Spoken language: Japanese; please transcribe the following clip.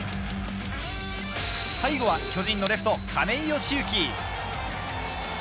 最後は巨人のレフト・亀井善行。